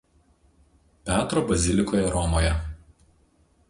Petro bazilikoje Romoje.